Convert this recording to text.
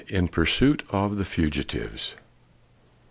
IN PURSUIT OF THE FUGITIVES.